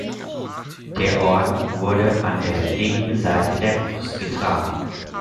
Der Orden wurde an der linken Seite der Brust getragen.